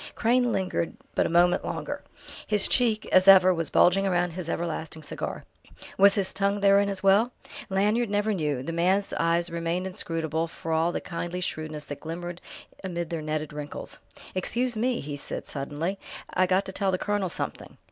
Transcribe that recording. Crane lingered but a moment longer. His cheek, as ever, was bulging round his everlasting cigar. Was his tongue therein as well? Lanyard never knew; the man's eyes remained inscrutable for all the kindly shrewdness that glimmered amid their netted wrinkles. "Excuse me!" he said suddenly. "I got to tell the colonel something."